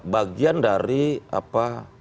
bagian dari apa